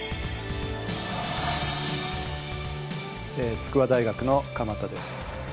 筑波大学の鎌田です。